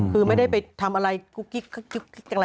คือไม่ได้ไปทำอะไรกุ๊กกิ๊กอะไร